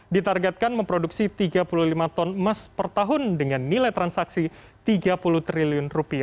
ditargetkan memproduksi tiga puluh lima ton emas per tahun dengan nilai transaksi rp tiga puluh triliun